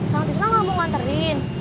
kang kisna gak mau anterin